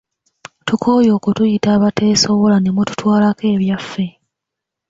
Tukooye okutuyita abateesobola ne mututwalako ebyaffe